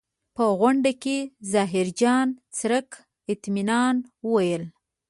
په غونډه کې ظاهرجان څرک اطمنان وویل.